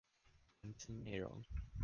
文字內容